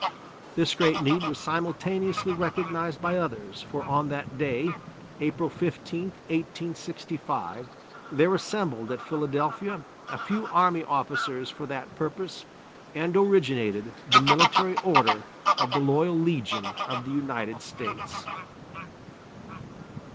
This great need was simultaneously recognized by others, for on that day, April 15, 1865, there assembled at Philadelphia a few army officers for that purpose and originated the Military Order of the Loyal Legion of the United States.